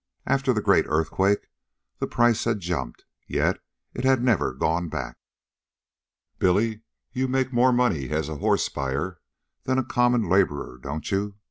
After the great earthquake, the price had jumped; yet it had never gone back. "Billy, you make more money as a horse buyer than a common laborer, don't you?"